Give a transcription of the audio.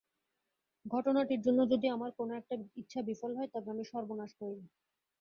ঘটনাটির জন্য যদি আমার কোনো একটা ইচ্ছা বিফল হয়, তবে আমি সর্বনাশ করিব।